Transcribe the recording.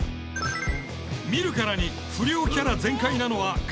見るからに不良キャラ全開なのは片居誠。